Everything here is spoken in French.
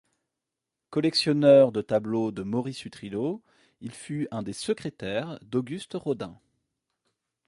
Collectionneur de tableaux de Maurice Utrillo, il fut un des secrétaires d'Auguste Rodin.